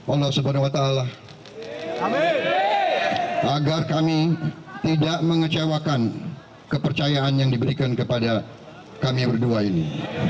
allah swt agar kami tidak mengecewakan kepercayaan yang diberikan kepada kami berdua ini